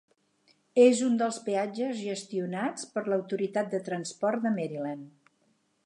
És un dels peatges gestionats per l'Autoritat de Transport de Maryland.